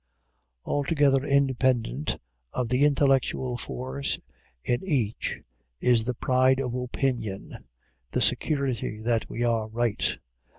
Altogether independent of the intellectual force in each is the pride of opinion, the security that we are right.